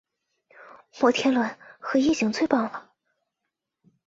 摩天轮和夜景最棒了